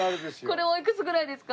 これおいくつぐらいですか？